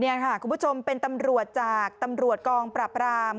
นี่ค่ะคุณผู้ชมเป็นตำรวจจากตำรวจกองปราบราม